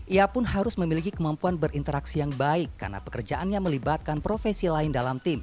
ia pun harus memiliki kemampuan berinteraksi yang baik karena pekerjaannya melibatkan profesi lain dalam tim